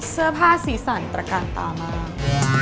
เสื้อผ้าสีสันตระการตามาก